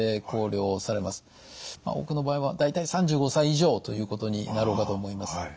多くの場合は大体３５歳以上ということになろうかと思います。